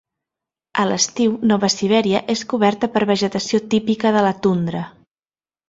A l'estiu Nova Sibèria és coberta per vegetació típica de la tundra.